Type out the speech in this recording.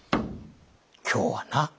今日はな